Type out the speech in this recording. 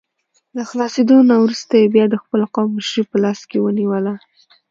له خلاصېدو نه وروسته یې بیا د خپل قوم مشري په لاس کې ونیوله.